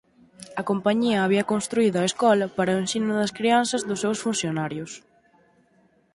A compañía había construído a escola para o ensino das crianzas dos seus funcionarios.